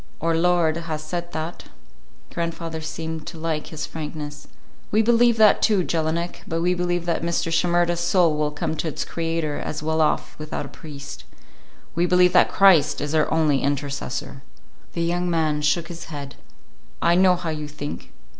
"Our Lord has said that." Grandfather seemed to like his frankness. "We believe that, too, Jelinek. But we believe that Mr. Shimerda's soul will come to its Creator as well off without a priest. We believe that Christ is our only intercessor." The young man shook his head. "I know how you think.